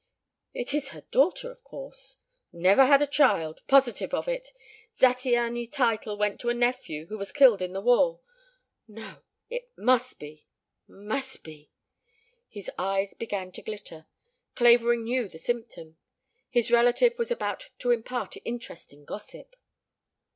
"It is her daughter, of course " "Never had a child positive of it. Zattiany title went to a nephew who was killed in the war. ... No ... it must be ... must be ..." His eyes began to glitter. Clavering knew the symptom. His relative was about to impart interesting gossip.